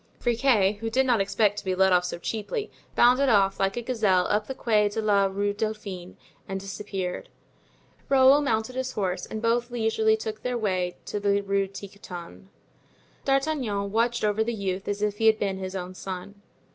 Friquet, who did not expect to be let off so cheaply, bounded off like a gazelle up the Quai a la Rue Dauphine, and disappeared. Raoul mounted his horse, and both leisurely took their way to the Rue Tiquetonne. D'Artagnan watched over the youth as if he had been his own son.